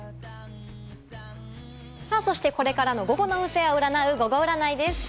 そして、これからの午後の運勢を占う、ゴゴ占いです。